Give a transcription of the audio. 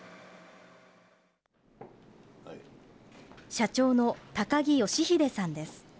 社長の高木義秀さんです。